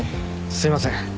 すいません